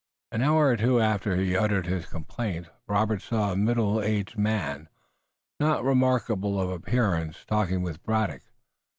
An hour or two after he uttered his complaint, Robert saw a middle aged man, not remarkable of appearance, talking with Braddock.